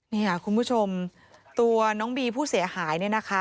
นี่ค่ะคุณผู้ชมตัวน้องบีผู้เสียหายเนี่ยนะคะ